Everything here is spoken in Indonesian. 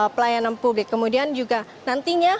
pelayanan publik kemudian juga nantinya